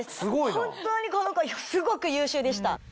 本当にこのコすごく優秀でした。